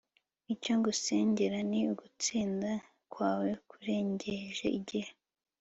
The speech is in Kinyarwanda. icyo ngusengera ni ugutsinda kwawe, kurengeje igihe